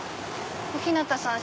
小日向さん